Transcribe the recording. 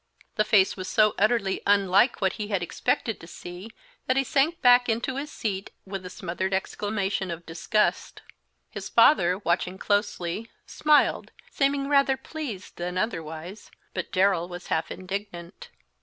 The face was so utterly unlike what he had expected to see that he sank back into his seat with a smothered exclamation of disgust. His father, watching closely, smiled, seeming rather pleased than otherwise, but Darrell was half indignant.